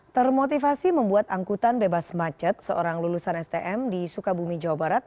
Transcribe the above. termotivasi membuat angkutan bebas macet seorang lulusan stm di sukabumi jawa barat